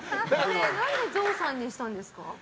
何でゾウさんにしたんですか？